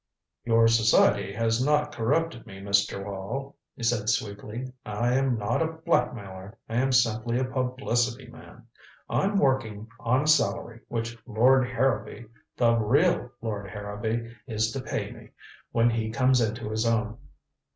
"Your society has not corrupted me, Mr. Wall," he said sweetly. "I am not a blackmailer. I am simply a publicity man. I'm working on a salary which Lord Harrowby the real Lord Harrowby is to pay me when he comes into his own.